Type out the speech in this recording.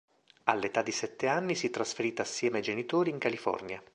All'età di sette anni si è trasferita assieme ai genitori in California.